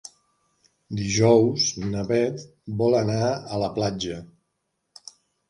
Dijous na Beth vol anar a la platja.